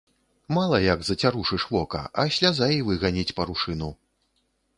Мала як зацярушыш вока, а сляза і выганіць парушыну.